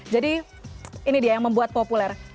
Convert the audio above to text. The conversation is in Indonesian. jadi ini dia yang membuat populer